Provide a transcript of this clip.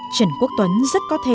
trần quốc tuấn rất có thêm